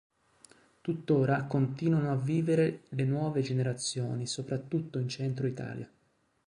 Tuttora continuano a vivere le nuove generazioni soprattutto in centro Italia.